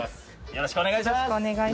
よろしくお願いします。